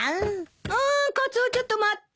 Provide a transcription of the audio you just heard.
あーカツオちょっと待って。